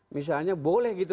misalnya boleh gitu